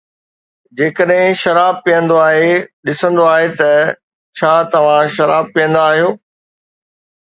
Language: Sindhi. جيڪڏھن شراب پيئندو آھي، ڏسندو آھي ته ڇا توھان شراب پيئندا آھيو